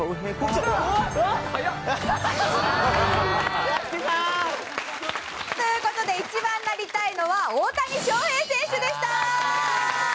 早っ！という事で１番なりたいのは大谷翔平選手でした。